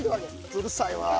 うるさいわぁ。